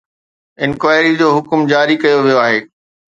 Inquiry جو حڪم جاري ڪيو ويو آهي.